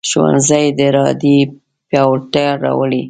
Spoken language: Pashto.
ښوونځی د ارادې پیاوړتیا راولي